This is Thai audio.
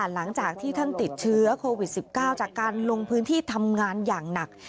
หลังจากที่ท่านติดเชื้อโควิด๑๙จากการลงพื้นที่ทำงานอย่างหนัก